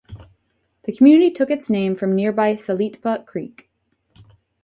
The community took its name from nearby Salitpa Creek.